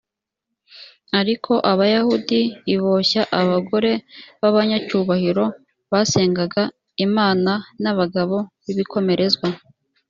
ariko abayahudi l boshya abagore b abanyacyubahiro basengaga imana n abagabo b ibikomerezwa